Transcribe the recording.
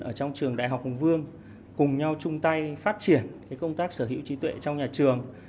ở trong trường đại học hùng vương cùng nhau chung tay phát triển công tác sở hữu trí tuệ trong nhà trường